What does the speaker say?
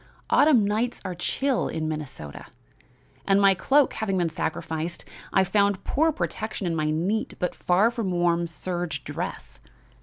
Autumn nights are chill in Minnesota, and, my cloak having been sacrificed, I found poor protection in my neat but far from warm serge dress.